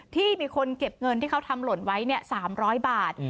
ที่มีคนเก็บเงินที่เขาทำหล่นไว้๓๐๐บาท